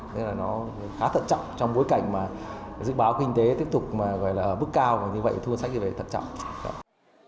nên là nó khá thận trọng trong bối cảnh mà dự báo kinh tế tiếp tục gọi là ở mức cao và như vậy thu ngân sách như vậy thận trọng